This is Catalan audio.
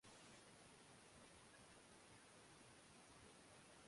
Els ous i la llet fan tornar jovenet.